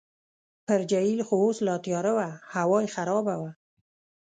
پر جهیل خو اوس لا تیاره وه، هوا یې خرابه وه.